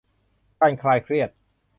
การคลายเครียด